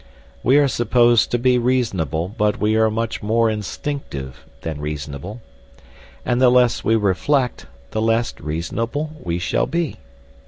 We are supposed to be reasonable but we are much more instinctive than reasonable. And the less we reflect, the less reasonable we shall be.